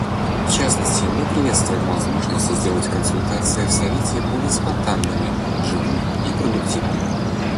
В частности, мы приветствуем возможность сделать консультации в Совете более спонтанными, живыми и продуктивными.